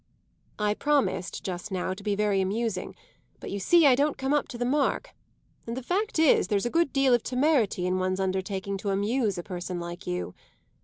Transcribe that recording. "I promised just now to be very amusing; but you see I don't come up to the mark, and the fact is there's a good deal of temerity in one's undertaking to amuse a person like you.